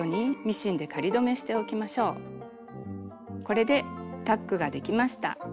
これでタックができました。